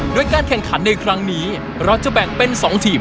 โดยการแข่งขันในครั้งนี้เราจะแบ่งเป็น๒ทีม